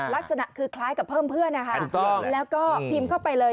ลักษณะคือคล้ายกับเพิ่มเพื่อนนะคะแล้วก็พิมพ์เข้าไปเลย